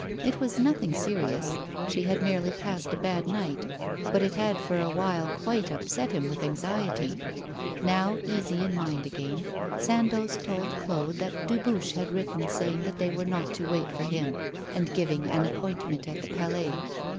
It was nothing serious. She had merely passed a bad night, but it had for a while quite upset him with anxiety. Now, easy in mind again, Sandoz told Claude that Dubuche had written saying that they were not to wait for him, and giving an appointment at the Palais.